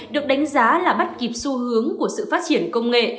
được đánh giá là bắt kịp xu hướng của sự phát triển công nghệ